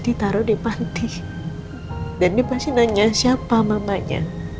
ditaruh di panti dan dia pasti nanya siapa mamanya